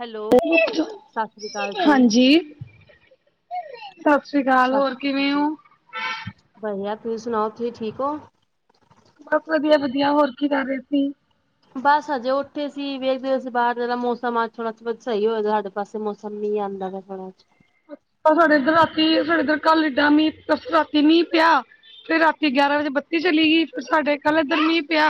Hello. ਸਤਿ ਸ੍ਰੀ ਅਕਾਲ ਜੀ, ਹਾਂਜੀ। ਸਤਿ ਸ੍ਰੀ ਅਕਾਲ ਸਤਿ ਹੋਰ ਸ੍ਰੀ ਕਿਵੇਂ ਅਕਾਲ। ਹੋ। ਵਧੀਆ ਤੁਸੀਂ ਸੁਣਾਓ ਤੁਸੀੇ ਠੀਕ ਹੋ। ਬਸ ਵਧੀਆ ਵਧੀਆ ਹੋਰ ਕੀ ਕਰ ਰਹੇ ਸੀ। ਬਸ ਹਜੇ ਉੱਠੇ ਸੀ ਵੇਖਦੇ ਹੋ ਸੀ ਬਾਹਰ ਦਾ ਮੌਸਮ ਮਾਸਮ ਥੋੜਾ ਸਹੀ ਹੋਇਆ ਸਾਡੇ ਪਾਸੇ ਮੀਂਹ ਆਂਦਾ ਵ ਥੋੜਾ। ਸਾਡੇ ਇੱਧਰ ਰਾਤੀ ਸਾਡੇ ਇੱਧਰ ਕੱਲ ਇੱਡਾਂ ਮੀਂ ਰਾਤੀ ਮੀਂਹ ਪਿਆ। ਫਿਰ ਰਾਤੀ ਗਿਆਰਾਂ ਵਜੇ ਬੱਤੀ ਚਲੀ ਗਈ ਫ਼ਿਰ ਸਾਡੇ ਕੱਲ ਇੱਧਰ ਮੀਂਹ ਪਿਆ।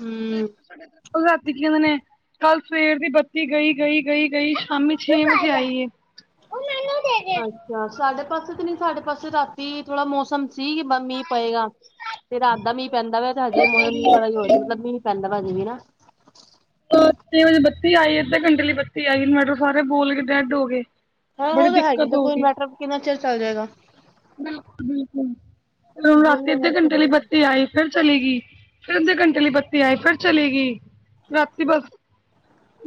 ਹੂੰ। ਕਲ ਰਾਤੀ ਇਹਨਾਂ ਨੇ ਕੱਲ ਸਵੇਰ ਦੀ ਬੱਤੀ ਗਈ ਗਈ ਗਈ ਗਈ ਸ਼ਾਮੀ ਛੇ ਵਜੇ ਆਈਏ। ਅੱਛਾ ਸਾਡੇ ਪਾਸੇ ਤਾਂ ਨੀ ਸਾਡੇ ਪਾਸੇ ਰਾਤੀ ਥੋੜਾ ਮੌਸਮ ਸੀ ਮੀਂਹ ਪਏਗਾ ਤੇ ਰਾਤ ਦਾ ਮੀਂਹ ਪੈਂਦਾ ਵਾ ਤੇ ਹਜੀ ਮੀਂਹ ਵਾਲਾ ਹੋ ਮਤਲਬ ਮੀਂਹ ਪੈਂਦਾ ਵਾ। ਤਾਂ ਛੇ ਵਜੇ ਬੱਤੀ ਆਈ ਅੱਧੇ ਘੰਟੇ ਲਈ ਬੱਤੀ ਆਈ ਇੰਵਰਟਰ ਸਾਰੇ ਬੋਲ ਕੇ ਡੈੱਡ ਹੋ ਗਏ। ਹਾਂ ਬੜੀ ਉਹ ਤਾਂ ਹੈਗੀ ਦਿੱਕਤ ਹੋ ਦੇਖੋ ਇਨਵਰਟਰ ਕਿੰਨਾ ਚਿਰ ਚੱਲ ਜਾਏਗਾ। ਬਿਲਕੁਲ ਬਿਲਕੁਲੁ ਰਾਤੀ ਅੱਧੇ ਘੰਟੇ ਲਈ ਬੱਤੀ ਆਏ ਫਿਰ ਚੱਲੇ ਗਈ। ਫਿਰ ਅੱਧੇ ਘੰਟੇ ਲਈ ਬੱਤੀ ਆਏ ਫਿਰ ਚਲੀ ਗਈ ਰਾਤੀ ਬਸ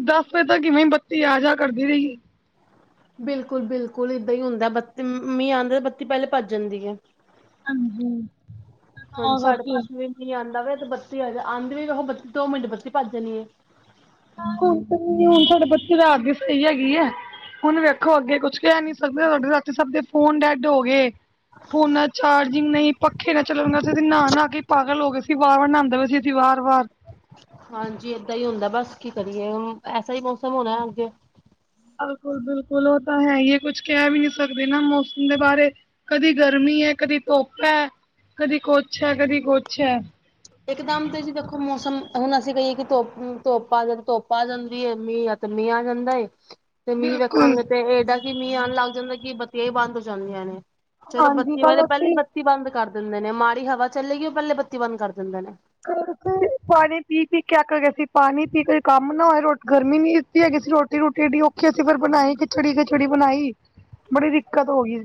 ਦੱਸ ਵਜੇ ਤੱਕ ਕਿਵੇਂ ਬੱਤੀ ਆ ਜਾ ਕਰਦੀ ਰਹੀ। ਬਿਲਕੁਲ -ਬਿਲਕੁਲ ਏਦਾਂ ਹੀ ਹੁੰਦਾ, ਬੱਤੀ ਮੀਂਹ ਆਉਂਦੇ ਬੱਤੀ ਪਹਿਲੇ ਭੱਜ ਜਾਂਦੀ ਹੈ। ਹਾਂਜੀ ਹਾਂਜੀ, ਤਾਂ ਸਾਢੇ ਕਰਕੇ ਪੰਜ ਵੱਜੇ ਮੀਂਹ ਆਉਂਦਾ ਵੇ ਤੇ ਬੱਤੀ ਆ ਆਂਉਦੀ ਵੀ ਬੱਤੀ ਦੋ ਮਿੰਟ ਬੱਤੀ ਭੱਜ ਜਾਣੀ ਹੈ। ਹੁਣ ਤਾਂ ਹੁਣ ਸਾਡੇ ਬੱਤੀ ਰਾਤ ਦੀ ਸਹੀ ਹੈਗੀ ਹੈ ਹੁਣ ਵੇਖੋ ਅੱਗੇ ਕੁ ਕੁਛ ਕਹਿ ਨੀ ਸਕਦੇ ਸਾਡੇ ਸਭ ਦੇ ਫੋਨ ਡੈੱਡ ਹੋ ਗਏ। ਫੋਨਾ ਚਾਰਜਿੰਗ ਨਹੀਂ, ਪੱਖੇ ਨਾ ਚੱਲਣ ਅਸੀ ਤਾਂ ਨਹਾ- ਨਹਾ ਕੇ ਪਾਗਲ ਹੋ ਗਏ ਸੀ ਵਾਰ-ਵਾਰ ਨਹਾਉਂਦੇ ਪਏ ਸੀ ਅਸੀਂ ਵਾਰ- ਵਾਰ। ਹਾਂਜੀ ਏਦਾਂ ਹੀ ਹੁੰਦਾ ਬਸ ਕੀ ਕਰੀਏ ਐਸਾ ਹੀ ਮੌਸਮ ਹੋਣਾ ਅੱਗੇ। ਬਿਲਕੁਲ ਬਿਲਕੁਲ ਉਹ ਤਾਂ ਹੈ ਹੀ ਕੁਛ ਕਹਿ ਵੀ ਨਹੀਂ ਸਕਦੇ ਨਾ ਮੌਸਮ ਦੇ ਬਾਰੇ। ਕਦੀ ਗਰਮੀ ਹੈ ਕਦੀ ਧੋਪ ਹੈ ਕਦੀ ਕੁੱਛ ਹੈ ਕਦੀ ਕੁੱਛ ਹੈ। ਇਕਦਮ ਤੇ ਤੁਸੀਂ ਦੇਖੋ ਮੌਸਮ ਹੁਣ ਅਸੀਂ ਕਹੀਏ ਕਿ ਧੋਪ ਧੋਪਾ ਜ ਧੋਪ ਆ ਜਾਂਦੀ ਹੈ ਮੀਹ ਆਂਦਾ ਮੀਂਹ ਆ ਜਾਂਦਾ ਏ। ਤੇ ਮੀਂਹ ਬਿਲਕੁਲ ਰੱਖਾਂਗੇ ਤੇ ਏਡਾਂ ਕਿ ਮੀਂਹ ਆਉਣ ਲੱਗ ਜਾਂਦਾ ਕਿ ਬੱਤੀਆਂ ਹੀ ਬੰਦ ਹੋ ਜਾਂਦੀਆਂ ਨੇ। ਚਲੋ ਹਾਂਜੀ ਬੱਤੀ ਵਾਲੇ ਕੱਲ ਪਹਿਲੇ ਅਸੀਂ ਬੱਤੀ ਬੰਦ ਕਰ ਦਿੰਦੇ ਨੇ ਮਾੜੀ ਹਵਾ ਚੱਲੇਗੀ ਉਹ ਪਹਿਲੇ ਬੱਤੀ ਬੰਦ ਕਰ ਦਿੰਦੇ ਨੇ। ਪਾਣੀ ਪੀ- ਪੀ ਕੇ ਅੱਕ ਗਏ ਸੀ ਪਾਣੀ ਪੀ ਕੋਈ ਕੰਮ ਨਾ ਹੋਵੇਂ ਗਰਮੀ ਇਹਨੀਂ ਸੀ ਕਿ ਰੋਟੀ ਰੋਟੀ-ਰੋਟੀ ਔਖੀ ਫ਼ਿਰ ਬਣਾਈ ਖਿਚੜੀ-ਖਿਚੜੀ ਬਣਾਈ, ਬੜੀ ਦਿੱਕਤ ਹੋ ਗਈ,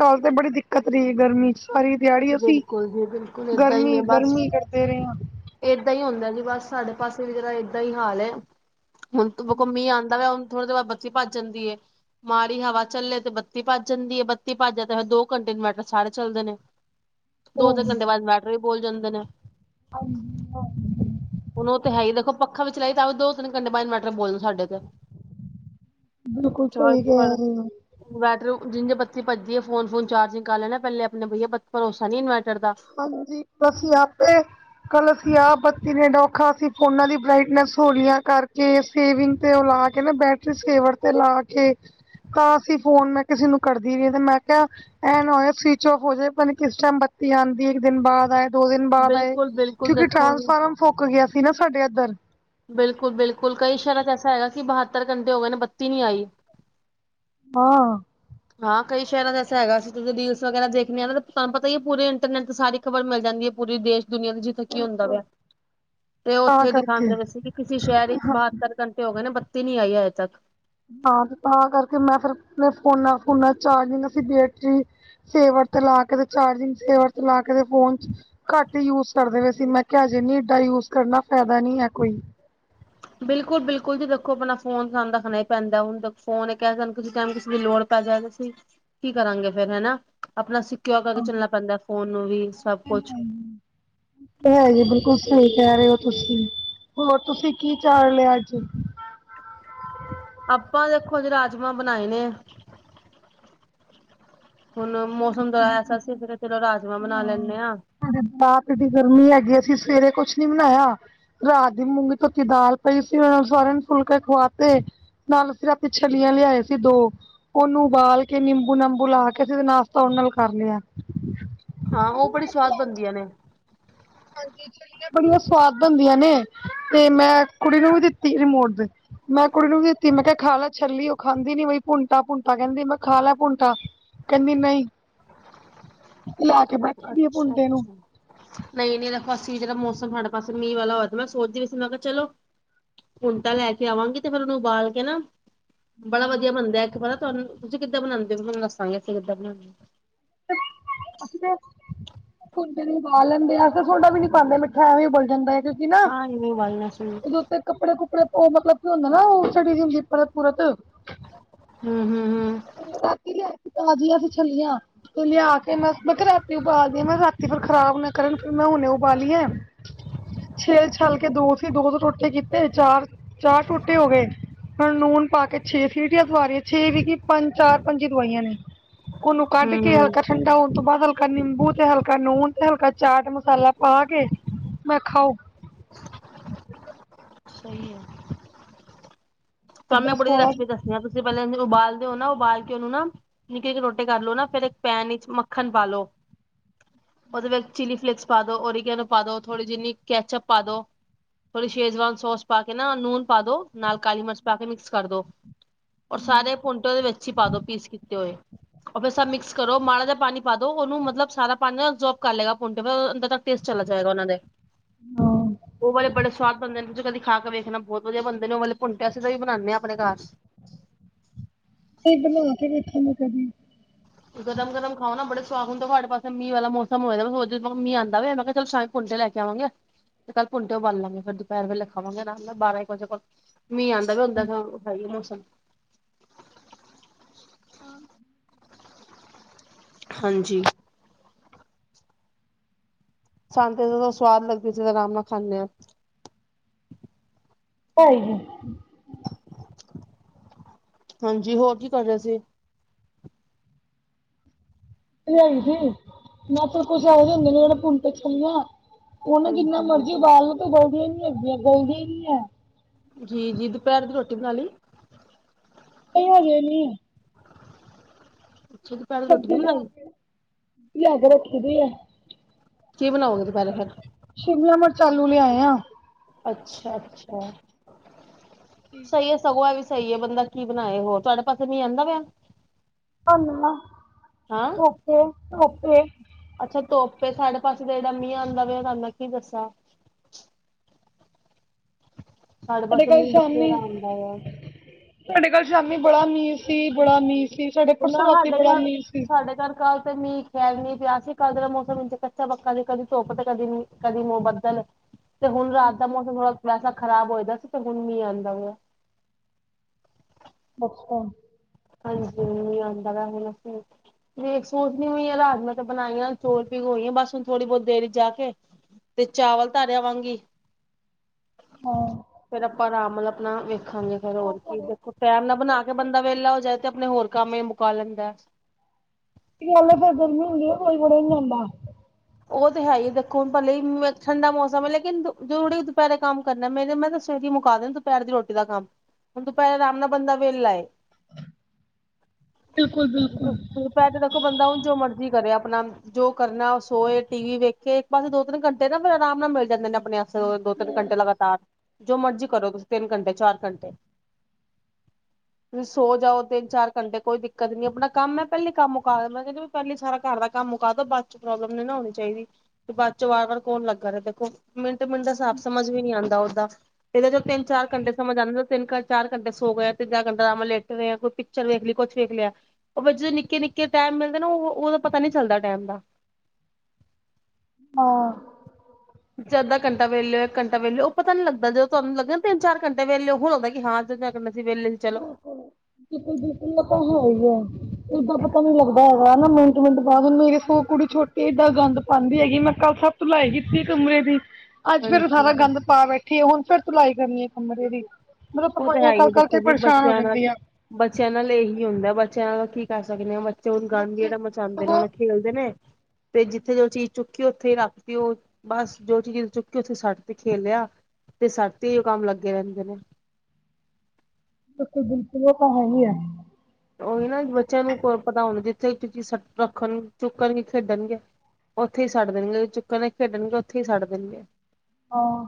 ਕਲ ਤੇ ਬੜੀ ਦਿੱਕਤ ਰਹੀ ਗਰਮੀ ਚ। ਸਾਰੀ ਦਿਹਾੜੀ ਅਸੀਂ, ਬਿਲਕੁਲ ਜੀ ਬਿਲਕੁਲ ਏਦਾਂ ਹੀ ਏ ਗਰਮੀ ਬਸ। -ਗਰਮੀ ਕਰਦੇ ਰਹੇ ਹਾਂ। ਏਦਾਂ ਹੀ ਹੁੰਦਾ ਜੀ ਬਸ ਸਾਡੇ ਪਾਸੇ ਵੀ ਜਿਹੜਾ ਏਦਾਂ ਹੀ ਹਾਲ ਹੈ। ਹੁਣ ਮੀਂਹ ਆਂਉਦਾ ਵਾ ਹੁਣ ਥੋੜੀ ਦੇਰ ਬਤੀ ਭੱਜ ਜਾਂਦੀ ਹੈ। ਮਾੜੀ ਹਵਾ ਚੱਲੇ ਤੇ ਬੱਤੀ ਭੱਜ ਜਾਂਦੀ ਹੈ, ਬੱਤੀ ਭੱਜ ਤੇ ਫਿਰ ਦੋ ਘੰਟੇ ਇਨਵੇਟਰ ਸਾਰੇ ਚੱਲਦੇ ਨੇ। ਦੋ- ਤਿੰਨ ਹੂੰ ਘੰਟੇ ਬਾਅਦ ਬੈਟਰੀ ਬੋਲ ਜਾਂਦੇ ਨੇ ਹਾਂ। ਹੁਣ ਉਹ ਤਾਂ ਹੈ ਹੀ ਦੇਖੋ ਪੱਖਾਂ ਵਿੱਚ ਚਲਾਈ ਤਾਂ ਉਹ ਦੋ -ਤਿੰਨ ਘੰਟੇ ਬਾਅਦ ਇਨਵੇਟਰ ਬੋਲਦੇ ਸਾਡੇ ਬਿਲਕੁਲ ਚਾਰਜ ਸਹੀ ਫੜ ਕਹਿ ਰਹੇ ਹੋ ਇਨਵਰਟਰ ਦਿਨੇ ਬੱਤੀ ਭੱਜਦੀ ਫੋਨ- ਫੋਨ ਚਾਰਜਿੰਗ ਕਰ ਲੈਣਾ ਪਹਿਲੇ ਆਪਣੇ ਬਈਆ ਭਰੋਸਾ ਨੀ ਇਨਵਰਟਰ ਦਾ ਹਾਂਜੀ, ਬਸੀਂ ਆਪੇ ਕੱਲ ਅਸੀਂ ਆਪ ਬੱਤੀ ਨੇ ਡੋਖਾ ਅਸੀ ਫੋਨਾਂ ਦੀ ਬਰਾਈਟਨੈਸ ਹੋਲੀਆਂ ਕਰਕੇ ਸੇਵਿੰਗ ਤੇ ਉਹ ਲਾ ਕੇ ਨਾ ਬੈਟਰੀ ਸੇਵਰ ਤੇ ਲਾ ਕੇ ਤਾਂ ਅਸੀਂ ਫੋਨ ਮੈਂ ਕਿਸੇ ਨੂੰ ਕਰਦੀ ਵੀ ਤੇ ਮੈਂ ਕਿਹਾ ਐਂ ਨਾ ਹੋਏ ਸਵਿਚ ਆਫ ਹੋ ਜਾਏ ਕਿਸ ਟਾਈਮ ਬੱਤੀ ਆਉਂਦੀ ਇੱਕ ਦਿਨ ਬਾਅਦ ਆਏ ਦੋ ਦਿਨ ਬਾਅਦ ਆਏ, ਬਿਲਕੁਲ ਬਿਲਕੁਲ ਕਿਉਂਕਿ ਦੇਖੋ ਟਰਾਂਸਫਾਰਮ ਫੁੱਕ ਗਿਆ ਸੀ ਨਾ ਸਾਡੇ ਇੱਧਰ ਬਿਲਕੁਲ -ਬਿਲਕੁਲ ਕਈ ਸ਼ਹਿਰਾ ਚ ਐਸਾ ਹੈਗਾ ਕਿ ਬਹੱਤਰ ਘੰਟੇ ਹੋ ਗਏ ਨੇ ਬੱਤੀ ਨੀ ਆਈ ਹਾਂ ਹਾਂ ਕਈ ਸ਼ਹਿਰਾਂ ਦਾ ਐਸਾ ਹੈਗਾ ਸੀ ਰੀਲਸ ਵਗੈਰਾ ਦੇਖਣੇ ਆ ਤੁਹਾਨੂੰ ਪਤਾ ਹੀ ਹੈ ਪੂਰੇ ਇੰਟਰਨੈਟ ਸਾਰੇ ਇੱਕ ਵਾਰ ਮਿਲ ਜਾਂਦੀ ਹੈ ਪੂਰੀ ਦੇਸ਼ ਦੁਨੀਆ ਦੀ ਕੀ ਹੁੰਦਾ ਪਿਆ ਤੇ ਤਾਂ ਉੱਥੇ ਕਰਕੇ ਦਿਖਾਉਂਦੇ ਵ ਸੀ ਕਿ ਕਿਸੇ ਸ਼ਹਿਰ ਵਿੱਚ ਬਹਤਰ ਘੰਟੇ ਹੋ ਗਏ ਨੇ ਬੱਤੀ ਨੀ ਆਈ ਅਜੇ ਤੱਕ ਹਾਂ ਤਾਂ ਕਰਕੇ ਮੈਂ ਫਿਰ ਫੋਨਾ- ਫੋਨਾਂ ਚਾਰਜਿੰਗ ਸੀ ਬੈਟਰੀ ਸੇਵਰ ਤੇ ਲਾ ਕੇ ਚਾਰਜਿੰਗ ਸੇਵਰ ਤੇ ਲਾ ਕੇ ਫੋਨ ਚ ਘੱਟ ਯੂਜ ਕਰਦੇ ਪਏ ਸੀ ਮੈਂ ਕਿਹਾ ਹਜੇ ਨੀ ਇਡਾ ਯੂਜ ਕਰਨਾ ਫਾਇਦਾ ਨਹੀ ਹੈ ਕੋਈ ਬਿਲਕੁਲ- ਬਿਲਕੁਲ ਜੀ ਦੇਖੋ ਆਪਣਾ ਫੋਨ ਸਾਨੂੰ ਰੱਖਣਾ ਹੀ ਪੈਂਦਾ ਹੈ ਫੋਨ ਕ ਟਾਈਮ ਕਿਸੇ ਦੀ ਲੋੜ ਕੀਤਾ ਜਾਏ ਤੁਸੀਂ, ਕੀ ਕਰਾਂਗੇ ਫਿਰ ਹਨਾ ਆਪਣਾ ਸਿੱਖ ਕਿਉਂ ਕਰਕੇ ਚੱਲਣਾ ਪੈਂਦਾ ਫੋਨ ਨੂੰ ਵੀ ਸਭ ਕੁਛ ਹੈ ਜੀ ਬਿਲਕੁਲ ਸਹੀ ਕਹਿ ਰਹੇ ਹੋ ਤੁਸੀਂ, ਹੋਰ ਤੁਸੀਂ ਕੀ ਚਾੜ ਲਿਆ ਅੱਜ ਆਪਾਂ ਦੇਖੋ ਜੇ ਰਾਜਮਾਂ ਬਣਾਏ ਨੇ ਆ ਹੁਣ ਮੌਸਮ ਬਰਾ ਐਸਾ ਸੀ ਫਿਰ ਚਲੋ ਰਾਜਮਾਂ ਬਣਾ ਲੈਂਦੇ ਹਾਂ ਸਾਡੇ ਆਪ ਏਡੀ ਗਰਮੀ ਹੈਗੀ ਅਸੀਂ ਸਵੇਰੇ ਕੁਛ ਨੀ ਬਣਾਇਆ ਰਾਤ ਦੀ ਮੂੰਗੀ ਧੋਤੀ ਦਾਲ ਪਈ ਸੀ ਉਹਨਾਂ ਨੇ ਸਾਰਿਆਂ ਨੂੰ ਫੁਲਕੇ ਖਵਾਤੇ ਨਾਲ ਫਿਰ ਆਪੇ ਛਲੀਆਂ ਲਿਆਏ ਸੀ ਦੋ, ਉਹਨੂੰ ਉਬਾਲ ਕੇ ਨਿੰਬੂ ਨੰਬੂ ਲਾ ਕੇ ਨਾਲ ਤੋੜ ਨਾਲ ਖਾਂਦੇ ਹਾਂ ਹਾਂ ਉਹ ਬੜੀ ਸਵਾਦ ਬਣਦੀਆਂ ਨੇ ਹਾਂਜੀ ਛੱਲੀਆਂ ਬੜੀਆਂ ਸਵਾਦ ਹੁੰਦੀਆਂ ਨੇ ਤੇ ਮੈਂ ਕੁੜੀ ਨੂੰ ਵੀ ਦਿੱਤੀ ਰਿਮੋਟ ਦੇ ਮੈਂ ਕੁੜੀ ਨੂੰ ਵੀ ਦਿੱਤੀ ਮੈਂ ਕਿਹਾ ਖਾ ਲੈ ਛੱਲੀ ਉਹ ਖਾਂਦੀ ਨੀ ਬਈ ਭੁੰਟਾ ਭੁੰਟਾ ਕਹਿੰਦੀ ਮੈਂ ਖਾ ਲੈ ਭੁੰਟਾ ਕਹਿੰਦੀ ਨਹੀਂ [unintelligible] ਲਾ ਕੇ ਬੈਠੇ ਦੀ ਹੈ ਅੱਛਾ ਪੁੰਡੇ ਨੂੰ ਅੱਛਾ ਨਹੀਂ, ਨਹੀਂ ਦੇਖੋ ਅਸੀਂ ਜਿਹੜਾ ਮੌਸਮ ਸਾਡੇ ਪਾਸੇ ਮੀਂਹ ਵਾਲਾ ਹੋ ਤੇ ਮੈਂ ਸੋਚਦੀ ਵੀ ਸੀ ਮੈਂ ਕਿਹਾ ਚਲੋ ਹੁਣ ਤਾ ਲੈ ਕੇ ਆਵਾਂਗੇ ਤੇ ਫਿਰ ਉਹਨੂੰ ਉਬਾਲ ਕੇ ਨਾ ਬੜਾ ਵਧੀਆ ਬਣਦਾ ਹੈ ਪਤਾ ਤੁਹਾਨੂੰ ਤੁਸੀਂ ਕਿੱਦਾਂ ਬਣਾਉਦੇ ਹੋ ਤਾਨੂੰ ਦੱਸਾਂਗੇ ਅਸੀਂ ਕਿੱਦਾਂ ਬਣਾਉਦੇ ਹਾ। ਅ [unintelligible] ਉੰਜ ਈ ਉਬਾਲ ਲੈਂਦੇ ਆ ਤੇ ਸੋਢਾ ਵੀ ਨੀ ਪਾਉਂਦੇ ਮਿੱਠਾ ਐਵੇਂ ਉਬਲ ਜਾਂਦਾ ਹੈ ਕਿਉਂਕਿ ਨਾ ਹਾਂ ਜੀ ਉਬਾਲਿਆ ਸੀ। ਜੇ ਉੱਤੇ ਕੱਪੜੇ ਕੁੱਪੜੇ ਉਹ ਮਤਲਬ ਕੀ ਹੁੰਦਾ ਨਾ ਉਹ ਸੜੀ ਦੀ ਹੁੰਦੀ ਪਰਤ ਪੁਰਤ ਅ ਹਮ, ਹਮ, ਹਮ। ਮਤਲਬ ਛੱਲੀਆਂ। ਲਿਆ ਕੇ ਮੈਂ ਮੈਂ ਕਿਹਾ ਰਾਤੀ ਉਬਾਲ ਦੇਵਾ ਰਾਤੀ ਫਿਰ ਖਰਾਬ ਨਾ ਕਰਨ ਫਿਰ ਮੈਂ ਹੁਣੇੇ ਉਬਾਲੀ ਹੈ। ਛੇਲ ਛਲ ਕੇ ਦੋ ਸੀ ਦੋ ਦੋ ਟੋਟੇ ਕੀਤੇ ਚਾਰ ਚਾਰ ਟੋਟੇ ਹੋ ਗਏ ਹੁਣ ਲੂਨ ਪਾ ਕੇ ਛੇ ਸੀਟੀਆਂ ਦਵਾ ਲਿਆ ਛੇ ਵੀ ਕੀ ਪੰਜ ਚਾਰ ਪੰਜ ਦਵਾਈਆਂ ਨੇ ਉਹਨੂੰ ਕੱਢ ਕੇ ਹਲਕਾ ਹਮ ਕਰ ਠੰਡਾ ਹੋਣ ਤੋਂ ਬਾਅਦ ਹਲਕਾ ਨਿੰਬੂ ਤੇ ਹਲਕਾ ਲੂਣ ਤੇ ਹਲਕਾ ਚਾਟ ਮਸਾਲਾ ਪਾ ਕੇ ਮੈਂ ਖਾਓ [inaudible] ਸਹੀ ਹੈ। ਤੁਹਾਨੂੰ ਮੈਂ ਕਿੱਦਾਂ ਬੜੀ ਸਵਾਦ ਰੈਸਪੀ ਦੱਸ ਦੀ ਆ ਤੁਸੀਂ ਪਹਿਲਾਂ ਉਹ ਉਬਾਲਦੇ ਹੋ ਨਾ ਉਬਾਲ ਕੇ ਉਹਨੂੰ ਨਾ ਨਿਕੇ ਨਿਕੇ ਟੋਟੇ ਕਰ ਲੋ ਨਾ ਫਿਰ ਇੱਕ ਪੈਨ ਵਿੱਚ ਮੱਖਣ ਪਾਲੋ ਉਹਦੇ ਵਿੱਚ ਚੀਲੀ ਫਲੇਕਸ ਪਾ ਦੋ ੳਰੀਗੇਨੋ ਪਾ ਦੋ ਥੋੜੀ ਜਿੰਨੀ ਕੈਚਅਪ ਪਾ ਦੋ ਥੋੜੀ ਸ਼ੇਜਵਾਨ ਸੋਸ ਪਾ ਕੇ ਨਾ ਲੂਣ ਪਾ ਦੋ ਨਾਲ ਕਾਲੀ ਮਰਚ ਪਾ ਕੇ ਮਿਕਸ ਕਰ ਦੋ ਔਰ ਸਾਰੇ ਭੁੰਟੇ ਉਹਦੇ ਵਿੱਚ ਹੀ ਪਾ ਦੋ ਪੀਸ ਕੀਤੇ ਹੋਏ। ਉਹ ਬਸਾ ਮਿਕਸ ਕਰੋ ਮਾੜਾ ਜਿਹਾ ਪਾਣੀ ਪਾ ਦੋ ਉਹਨੂੰ ਮਤਲਬ ਸਾਰਾ ਪਾਣੀ ਨਾ ਓਬਜੋਰਬ ਕਰ ਲੇਗਾ ਭੁੰਟੇ ਅੰਦਰ ਟੇਸਟ ਚਲਾ ਜਾਏ ਗਾ ਉਹਨਾਂ ਦੇ ਉਹ ਵਾਲੇ ਬੜੇ ਸਵਾਦ ਬਣਦੇ ਨੇ ਤੁਸੀਂ ਕਦੇ ਖਾ ਕੇ ਵੇਖਣਾ ਬਹੁਤ ਵਧੀਆ ਬਣਦੇ ਨੇ ਉਹ ਵਾਲੇ ਭੁੰਟਿਆ ਹੀ ਬਣਾਉਦੇ ਹਾਂ ਆਪਣੇ ਘਰ ਅਸੀ ਬਣਾ ਕੇ ਵੇਖਾ ਗੇ ਕਦੀ ਗਰਮ ਗਰਮ ਖਾਓ ਨਾ ਬੜੇ ਸਵਾਦ ਹੁਣ ਤੇ ਤੁਹਾਡੇ ਪਾਸੇ ਮੀਂਹ ਵਾਲਾ ਮੌਸਮ ਹੋਏ ਦਾ ਨਾ ਮੀਂਹ ਆਂਦਾ ਪਿਆ ਮੈਂ ਕਿਹਾ ਚੱਲ ਸ਼ ਭੁੱਟੇ ਲੈ ਕੇ ਆਵਾਂਗੇ ਤੇ ਕੱਲ ਭੁੱਟੇ ਉਬਾਲਾਂ ਗੇ ਫਿਰ ਦੁਪਹਿਰ ਵੇਲੇ ਖਾਵਾਂਗੇ ਨਾਲ ਬਾਰਾਂ ਇੱਕ ਵਜੇ ਕੋਲ ਮੀਂਹ ਆਉਂਦਾ ਵਾ ਓਦਾ ਖਾਲੀ ਆ ਮੌਸਮ ਹਣ [unintelligible] ਹਾਂਜੀ। ਸਾਨੂੰ ਜਦੋਂ ਸਵਾਦ ਲੱਗਦੀ ਤਾਂ ਆਰਾਮ ਨਾਲ ਖਾਂਦੇ ਹਾਂ। ਭਾਈ ਜੀ [unintelligible] ਹਾਂਜੀ, ਹੋਰ ਕੀ ਕਰ ਰਹੇ ਸੀ। ਲਿਆਈ ਸੀ ਮੈਂ ਫਿਰ ਕੁਛ ਹੈ ਨੀ ਪੁਨਦੇ ਛੱਲੀਆਂ। ਉਹ ਨਾ ਜਿੰਨਾ ਹਾਂਜੀ ਮਰਜ਼ੀ ਹਾਂਜੀ ਉਬਾਲ ਲੋ ਤੇ ਗਲਦੀਆਂ ਨੀ ਹੈਗੀਆਂ ਗਲਦੀਆਂ ਹੀ ਨੀ ਹੈ। ਜੀ, ਜੀ ਦੁਪਹਿਰ ਦੀ ਰੋਟੀ ਬਣਾ ਲਈ। ਨਹੀ ਹਜੇ ਨਹੀ। ਚ ਭੈਨੇ ਰੋਟੀ ਨਹੀਂ ਬਣਾਈ। ਲਿਆ ਕੇ ਰੱਖੀ ਦੀ ਹੈ। ਕੀ ਬਣਾਓਗੇ ਦੁਪਹਿਰੇ ਫੇਰ। ਸ਼ਿਮਲਾ ਮਿਰਚ ਆਲੂ ਲਿਆਏ ਆ। ਅੱਛਾ, ਅੱਛਾ ਸਹੀ ਹੈ। ਸਗੋਂ ਐਵੀ ਸਹੀ ਹੈ ਬੰਦਾ ਕੀ ਬਣਾਏ ਹੋਰ ਤੁਹਾਡੇ ਪਾਸੇ ਮੀਂਹ ਆਦਾ ਪਿਆ। ਨਾ ਨਾ ਹਾਂ ਧੂਪ ੲੈ ਅੱਛਾ ਤੋਪ ੲੈ ਸਾਢੇ ਪਾਸੇ ਤੇ ਇਹਨਾ ਮੀਹ ਆਉਂਦਾ ਪਿਆ ਤੁਹਾਨੂੰ ਕੀ ਦੱਸਾਂ। ਸਾਡੇ ਪਾਸੇ ਕੱਲ ਮੀਂਹ ਸ਼ਾਮੀ ਬਥੇਰਾ ਆਂਦਾ ਆ। ਸਾਡੇ ਕੋਲ ਸ਼ਾਮੀ ਬੜਾ ਮੀਂਹ ਸੀ ਬੜਾ ਮੀਂਹ ਸੀ ਸਾਡੇ ਪਰਸੋਂ ਨਾ ਰਾਤੀ ਸਾਡੇ ਬੜਾ ਘਰ ਮੀਂਹ ਸੀ। ਸਾਡੇ ਘਰ ਕੱਲ ਤੇ ਮੀਂਹ ਖੈਰ ਮੀਂਹ ਪਿਆ ਸੀ ਕੱਲ ਦਾ ਮੌਸਮ ਕੱਚਾ ਪੱਕ ਦੀ ਕਦੀ ਧੁੱਪ ਤੇ ਕਦੀ ਕਦੀ ਮ ਬੱਦਲ ਤੇ ਹੁਣ ਰਾਤ ਦਾ ਮੌਸਮ ਥੋੜਾ ਸਾ ਖਰਾਬ ਹੋਈ ਦਾ ਸੀ ਤੇ ਹੁਣ ਨੀ ਮੀਂਹ ਆਂਦਾ [unintelligible] ਅੱਛਾ, ਹਾਂਜੀ ਮੀਂਹ ਆਂਦਾ ਵਾ [unintelligible] ਦੇਖ ਨ ਹੋਈ ਹੈ ਰਾਜਮਾਂ ਤਾਂ ਬਣਾਈਆਂ ਚੋਲ ਪੀ ਹੋਈਆਂ ਬਸ ਹੁਣ ਥੋੜੀ ਬਹੁਤ ਦੇਰ ਵਿੱਚ ਜਾ ਕੇ ਤੇ ਚਾਵਲ ਧਰਿਆ ਆਵਾਂਗੀ। ਹਾਂ ਫੇਰ ਆਪਾਂ ਆਰਾਮ ਨਾਲ ਆਪਣਾ ਵੇਖਾਂਗੇ। ਫਿਰ ਉਹ ਹੋਰ ਕੀ ਘਰੇ ਦੇਖੋ ਟੈਮ ਨਾਲ ਬਣਾ ਕੇ ਬੱਚੇ ਬੰਦਾ ਵਿਹਲਾ ਹੋ ਜਾਏ ਤੇ ਆਪਣੇ ਹੋਰ ਕੰਮ ਹੀ ਮੁਕਾ ਲੈਂਦਾ ਹੱਲੇ ਫਿਰ ਗਰਮੀ ਹੁੰਦੀ ਹੈ ਕੋਈ ਬੜੇ ਨੀ ਜਾਂਦਾ। ਉਹ ਤੇ ਹੈਈ ਐ ਦੇਖੋ ਹੁਣ ਪਲੇ ਠੰਡਾ ਮੌਸਮ ਐ ਲੇਕਿਨ ਜ਼ਰੂਰੀ ਦੁਪਹਿਰੇ ਕੰਮ ਕਰਨਾ ਮੇਰੇ ਮੈਂ ਤਾਂ ਸਵੇਰੇ ਹੀ ਮੁਕਾ ਦੇਣਾ ਦੁਪਹਿਰ ਦੀ ਰੋਟੀ ਦਾ ਕੰਮ ਹੁਣ ਦੁਪਹਿਰ ਆਰਾਮ ਨਾਲ ਬੰਦਾ ਵਿਹਲਾ ਏ। [inaudible] ਬਿਲਕੁਲ ਬਿਲਕੁਲ। ਦੁਪਹਿਰੇ ਤੇ ਦੇਖੋ ਬੰਦਾ ਹੁਣ ਜੋ ਮਰਜ਼ੀ ਕਰੇ ਆਪਣਾ ਜੋ ਕਰਨਾ ਸੋਏ ਟੀ ਵੀ ਵੇਖੇ ਇੱਕ ਪਾਸੇ ਦੋ ਤਿੰਨ ਘੰਟੇ ਨਾ ਫਿਰ ਆਰਾਮ ਨਾਲ ਮਿਲ ਜਾਂਦੇ ਨੇ ਆਪਣੇ ਦੋ ਤਿੰਨ ਘੰਟੇ ਲਗਾਤਾਰ। ਜੋ ਮਰਜ਼ੀ ਕਰੋ ਤੁਸੀਂ ਤਿੰਨ ਘੰਟੇ ਚਾਰ ਘੰਟੇ ਤੁਸੀਂ ਸੋ ਜਾਓ ਤਿੰਨ ਚਾਰ ਘੰਟੇ ਕੋਈ ਦਿੱਕਤ ਨੀ ਆਪਣਾ ਕੰਮ ਮੈਂ ਪਹਿਲੀ ਕੰਮ ਮੁਕਾ ਮੈਂ ਕਹਿੰਦੀ ਪਹਿਲੇ ਸਾਰਾ ਘਰ ਦਾ ਕੰਮ ਮੁਕਾ ਦੋ, ਬਾਅਦ ਚ ਪ੍ਰੋਬਲਮ ਨਹੀਂ ਨਾ ਹੋਣੀ ਚਾਹੀਦੀ, ਤੇ ਬਾਅਦ ਚ ਵਾਰ- ਵਾਰ ਕੌਣ ਲੱਗਾ ਰਹਿੰਦਾ। ਮਿੰਟ-ਮਿੰਟ ਦਾ ਸਾਬ ਸਮਝ ਵੀ ਨਹੀਂ ਆਂਦਾ ਉਦਾ ਇਹਦਾ ਚੋਂ ਤਿੰਨ ਚਾਰ ਘੰਟੇ ਸਮਝ ਆਂਦਾ ਤਿੰਨ ਘੰਟੇ। ਚਾਰ ਘੰਟੇ ਸੋ ਗਏ ਤਿੰਨ ਚਾਰ ਘੰਟ ਡਰਾਮਾ ਲੈਟ ਰਹੇ ਕੋਈ ਪਿਕਚਰ ਦੇਖ ਲਈ ਕੁਛ ਵੇਖ ਲਿਆ। ਉਹ ਜਦੋਂ ਨਿੱੱਕੇ ਨਿੱੱਕੇ ਟੈਮ ਮਿਲਦੇ ਨਾ ਉਹ ਉਹਦਾ ਪਤਾ ਨੀ ਚੱਲਦਾ ਟੈਮ ਦਾ। ਹਾਂ, ਅੱਧਾ ਘੰਟਾ ਵਿਹਲੇ ਇੱਕ ਘੰਟ ਵਿਹਲੇ ਉਹ ਪਤਾ ਲੱਗਦਾ ਜਦੋਂ ਤੁਹਾਨੂੰ ਲੱਗਿਆ ਨਾ ਤਿੰਨ ਚਾਰ ਘੰਟੇ ਵਿਹਲੇ ਹੋ ਉਹ ਲਗਦਾ, ਸੀਂ ਵਿਹਲੇ ਸੀ ਚਲੋ। [unintelligible] ਏਦਾਂ ਪਤਾ ਨੀ ਲੱਗਦਾ ਹੈਗਾ ਨਾ ਮਿੰਟ-ਮਿੰਟ ਬਾਅਦ ਮੇਰੇ ਸ ਕੁੜੀ ਛੋਟੀ ਏਦਾਂ ਗੰਦ ਪਾਂਦੀ ਹੈਗੀ। ਮੈਂ ਕੱਲ੍ਹ ਸਭ ਤੁਲਾਈ ਕੀਤੀ ਕਮਰੇ ਦੀ। ਅੱਜ ਫੇਰ ਸਾਰਾ ਹਾਂਜੀ ਗੰਦ ਪਾ ਬੈਠੀ ਆ ਹੁਣ ਫਿਰ ਤੁਲਾਈ ਕਰਨੀ ਐ ਕਮਰੇ ਦੀ। ਮਤਲਬ ਉਹ ਤਾਂ ਸਫਾਈਆਂ ਹੈਈ ਕਰ ਐ ਦੇਖੋ ਕਰਕੇ ਜੀ ਪਰੇਸ਼ਾਨ ਹੋ ਬੱਚਿਆਂ ਨਾਲ ਜਾਂਦੀ ਆ ਬੱਚਿਆਂ ਨਾਲ ਇਹੀ ਹੁੰਦਾ ਬੱਚਿਆਂ ਨਾਲ ਕੀ ਕਰ ਸਕਦੇ ਆ ਬ? ਚ ਗੰਦ ਬੱਚੇ ਜਿਹੜਾ ਮਚਾਂਦੇ ਨੇ ਉਹ ਖੇਲਦੇ ਨੇ ਤੇ ਜਿੱਥੇ ਜੋ ਚੀਜ਼ ਚੁੱਕੀ ਉੱਥੇ ਹੀ ਰੱਖਤੀ ਉਹ। ਬਸ ਜੋ ਚੀਜ਼ ਚੁੱਕ ਕੇ ਉੱਥੇ ਸਟ ਤੇ ਖੇਲਿਆ ਤੇ ਸਟ ਤੇ ਹੀ ਉਹ ਕੰਮ ਲੱਗੇ ਰਹਿੰਦੇ ਨੇ। [unintelligible] ਬਿਲਕੁਲ ਉਹ ਤਾਂ ਹੈਈ ਐ। ਉਹੀ ਨਾ ਬੱਚਿਆਂ ਨੂੰ ਪਤਾ ਹੋਣ ਜਿੱਥੇ ਚੀਜ਼ ਸ ਰੱਖਣ ਚੁੱਕਣਗੇ ਖੇਡਣਗੇ। ਉੱਥੇ ਹੀ ਸੱਟ ਦੇਣਗੇ ਜ ਚੁੱਕਣ ਨੇ ਖੇਡਣਗੇ ਉੱਥੇ ਹੀ ਛੱਡ ਦੇਣਗੇ। ਹਾਂ,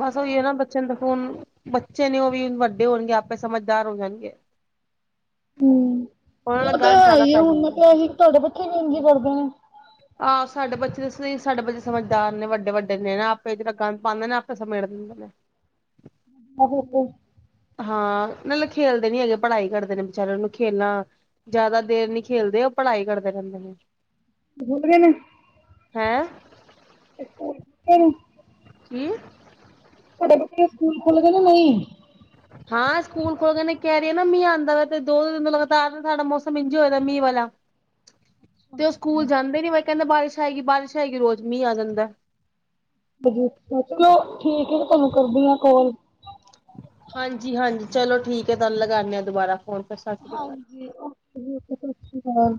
ਬਸ ਓਹੀ ਐ ਨਾ ਬੱਚਿਆਂ ਨੇ ਹੁਣ ਬੱਚੇ ਨੇ ਉਹ ਵੀ ਵੱਡੇ ਹੋਣਗੇ ਆਪੇ ਸਮਝਦਾਰ ਹੋ ਜਾਣਗੇ। ਹੂੰ, ਉਹਨਾਂ ਉਹ ਨਾਲ ਤੇ ਗੰਦ ਜ਼ਿਆਦਾ ਹੈਈ ਪੈ ਹੁਣ ਜਾਂਦਾ ਤੇ ਅਸੀਂ ਤੁਹਾਡੇ ਬੱਚੇ ਵੀ ਇੰਝ ਕਰਦੇ ਨੇ। ਆਹ ਸਾਡੇ ਬੱਚੇ ਸਈ ਸਾਡੇ ਬੱਚੇ ਸਮਝਦਾਰ ਨੇ ਵੱਡੇ ਵੱਡੇ ਨੇ ਨਾ ਆਪੇ ਗੰਦ ਪਾਂਦੇ ਨੇ ਆਪੇ ਸਮੇਟ ਦਿੰਦੇ ਨੇ। [unintelligible] ਹਾਂ, ਨਹੀਂ ਖੇਲਦੇ ਨੀ ਹੈਗੇ ਪੜ੍ਹਾਈ ਕਰਦੇ ਨੇ, ਵਿਚਾਰੇ ਉਹਨਾਂ ਨੂੰ ਖੇਲਣਾ, ਜ਼ਿਆਦਾ ਦੇਰ ਨਹੀਂ ਖੇਲਦੇ ਉਹ ਪੜ੍ਹਾਈ ਕਰਦੇ ਰਹਿੰਦੇ ਨੇ। ਬੋਲ ਗਏ ਨੇ। ਹੈਂ! ਤੇ ਸਕੂਲ, ਕੀ? ਤੁਹਾਡੇ ਬੱਚੇ ਸਕੂਲ ਖੁੱਲ ਗਏ ਜਾਂ ਨਹੀਂ? ਹਾਂ ਸਕੂਲ ਖੋਲ ਕੇ ਨ ਕਹਿ ਰਹੀ ਨਾ ਮੀਹ ਆਉਂਦਾ ਵ ਤੇ ਦੋ ਦੋ ਦਿਨ ਲਗਾਤਾਰ ਸਾਡਾ ਮੌਸਮ ਇੰਝ ਹੋ ਰਿਆ ਮੀਂਹ ਵਾਲਾ। ਤੇ ਉਹ ਸਕੂਲ ਜਾਂਦੇ ਨੀ ਮ ਕਹਿੰਦਾ ਬਾਰਿਸ਼ ਆਏਗੀ ਬਾਰਿਸ਼ ਆਏਗੀ ਰੋਜ਼ ਮੀਂਹ ਆ ਜਾਂਦਾ। ਚਲੋ ਠੀਕ ਹੈ ਤੁਹਾਨੂੰ ਕਰਦੀ ਹਾਂ ਕਾਲ। ਹਾਂਜੀ -ਹਾਂਜੀ ਚਲੋ ਠੀਕ ਹੈ ਤੁਹਾਨੂੰ ਲਗਾਉਂਦੇ ਹ ਦੁਬਾਰਾ ਫੋਨ। ਸਤਿ ਸ਼੍ਰੀ ਅਕਾਲ। ਹਾਂਜੀ ਓ ਜ ਓ ਸਤ ਸ਼੍ਰੀ ਅਕਾਲ।